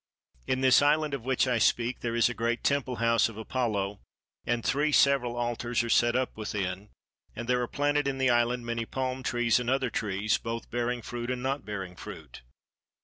In this island of which I speak there is a great temple house of Apollo, and three several altars are set up within, and there are planted in the island many palm trees and other trees, both bearing fruit and not bearing fruit.